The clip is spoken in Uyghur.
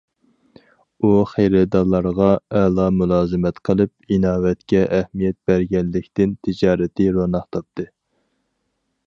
ئۇ خېرىدارلارغا ئەلا مۇلازىمەت قىلىپ، ئىناۋەتكە ئەھمىيەت بەرگەنلىكتىن، تىجارىتى روناق تاپتى.